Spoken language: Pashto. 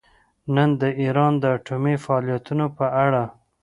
نن د ایران د اټومي فعالیتونو په اړه